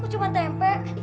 kok cuma temper